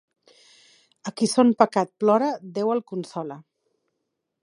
A qui son pecat plora, Déu el consola.